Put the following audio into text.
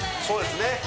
そうですね